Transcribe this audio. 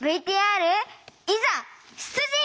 ＶＴＲいざ出陣！